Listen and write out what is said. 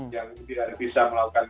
yang tidak bisa melakukan